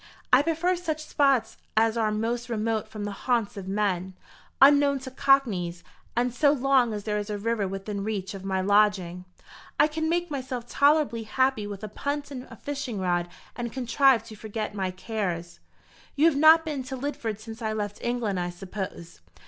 I prefer such spots as are most remote from the haunts of men, unknown to cockneys; and so long as there is a river within reach of my lodging, I can make myself tolerably happy with a punt and a fishing rod, and contrive to forget my cares." "You have not been to Lidford since I left England, I suppose?"